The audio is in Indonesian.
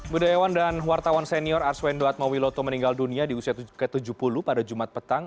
budayawan dan wartawan senior arswendo atmawiloto meninggal dunia di usia ke tujuh puluh pada jumat petang